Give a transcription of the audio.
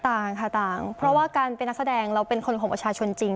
ต่างค่ะต่างเพราะว่าการเป็นนักแสดงเราเป็นคนของประชาชนจริง